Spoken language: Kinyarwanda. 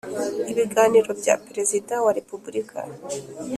ibiganiro bya Perezida wa Repubulika